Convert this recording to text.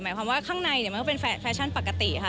หมายความว่าข้างในเนี่ยมันก็เป็นแฟชั่นปกติค่ะ